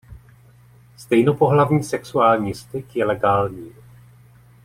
Stejnopohlavní sexuální styk je legální.